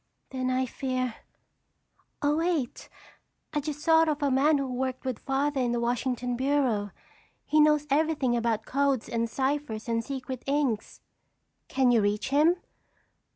"Then I fear—oh, wait! I just thought of a man who worked with Father in the Washington bureau. He knows everything about codes and ciphers and secret inks." "Can you reach him?"